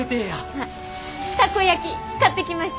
あたこ焼き買ってきました！